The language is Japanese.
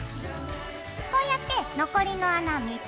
こうやって残りの穴３つ。